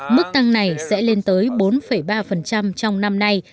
mức tăng này sẽ lên tới bốn ba trong năm nay